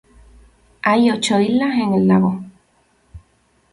Hay ocho islas en el lago.